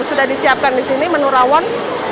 sudah disiapkan di sini menu rawon